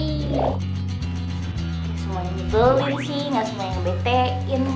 gak semuanya nyebelin sih gak semuanya nge betein